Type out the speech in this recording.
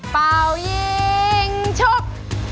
เปรายิงชุบ